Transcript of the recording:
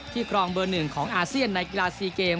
ที่กรองเบอร์หนึ่งของอาเซียนในกีฬาสีเกม